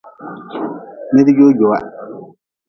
Nidjojoa.